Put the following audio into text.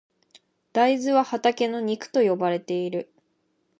大豆は畑の肉と呼ばれている。